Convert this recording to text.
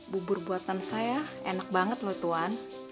bubur buatan saya enak banget loh tuan